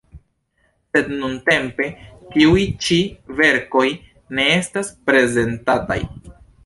Sed nuntempe tiuj ĉi verkoj ne estas prezentataj.